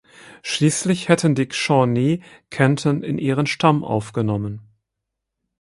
Schließlich hätten die Shawnee Kenton in ihren Stamm aufgenommen.